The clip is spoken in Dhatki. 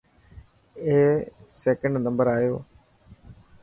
اي سڪنڊ نمبر آيو هي.